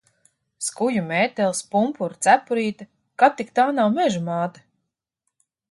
Skuju mētelis, pumpuru cepurīte. Kad tik tā nav Meža māte?